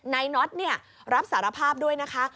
นายน็อตรับสารภาพด้วยนะคะ